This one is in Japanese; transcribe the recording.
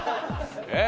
えっ？